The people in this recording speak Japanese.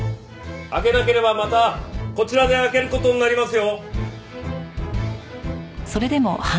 開けなければまたこちらで開ける事になりますよ！